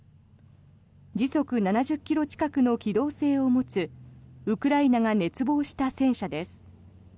時速７０ｋｍ近くの機動性を持つウクライナが熱望した戦車です。